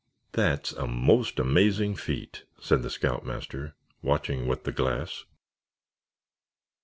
"That's a most amazing feat," said the scoutmaster, watching with the glass.